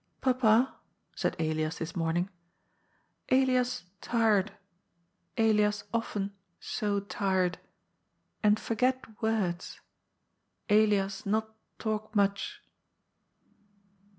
^' Papa," said Elias this morning, " Elias tired. Elias often so tired. And forget words. Elias not talk much."